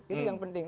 itu yang penting